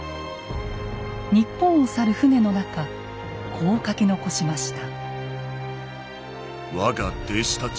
日本を去る船の中こう書き残しました。